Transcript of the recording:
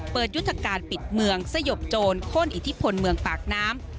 ยุทธการปิดเมืองสยบโจรโค้นอิทธิพลเมืองปากน้ำ